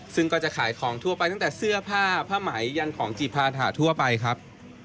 ซึ่งก็จะขายของทั่วไปตั้งแต่เสื้อผ้าผ้าไหมยันของจีพาถาทั่วไปครับ